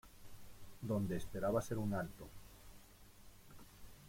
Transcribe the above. donde esperaba hacer un alto.